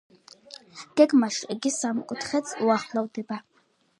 გეგმაში იგი სამკუთხედს უახლოვდება.